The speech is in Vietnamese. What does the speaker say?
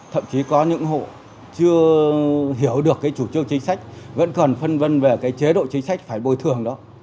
thậm chí có những hộ chưa hiểu được cái chủ trương chính sách vẫn còn phân vân về cái chế độ chính sách phải bồi thường đó